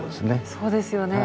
そうですよね。